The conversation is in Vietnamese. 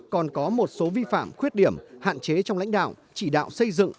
còn có một số vi phạm khuyết điểm hạn chế trong lãnh đạo chỉ đạo xây dựng